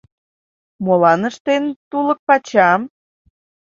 Молан ыштен тулык пачам?